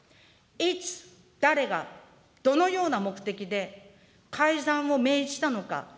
いつ、誰が、どのような目的で、改ざんを命じたのか。